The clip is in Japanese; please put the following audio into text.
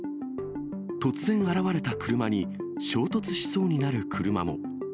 突然現れた車に、衝突しそうになる車も。